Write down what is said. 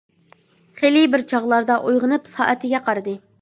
خېلى بىر چاغلاردا ئويغىنىپ سائىتىگە قارىدى.